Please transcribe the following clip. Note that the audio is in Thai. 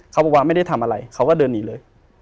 เขาบอกว่าไม่ได้ทำอะไรเขาก็เดินหนีเลย